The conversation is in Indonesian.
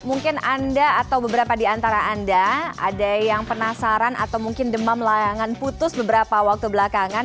mungkin anda atau beberapa di antara anda ada yang penasaran atau mungkin demam layangan putus beberapa waktu belakangan